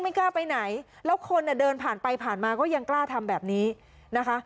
กล้าไปไหนแล้วคนเนี่ยเดินผ่านไปผ่านมาก็ยังกล้าทำแบบนี้นะคะ